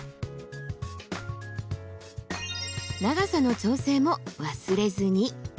長さの調整も忘れずに。